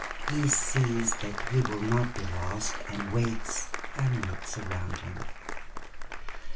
—He sees that he will not be lost, And waits and looks around him.